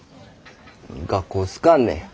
学校好かんねん。